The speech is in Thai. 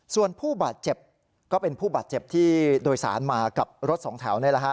ส่วนผู้บาดเจ็บก็เป็นผู้บาดเจ็บที่โดยศาลมากับรถ๒แถวนี้เลยครับ